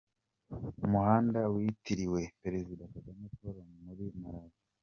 Umuhanda witiriwe Perezida Kagame Paul muri Malawi.